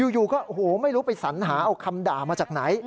อยู่ก็โอ้โหไม่รู้ไปสัญหาเอาคำด่ามาจากไหน